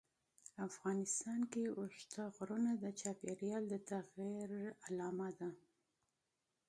افغانستان کې اوږده غرونه د چاپېریال د تغیر نښه ده.